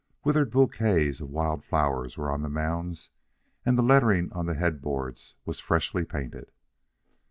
Withered bouquets of wild flowers were on the mounds, and the lettering on the headboards was freshly painted.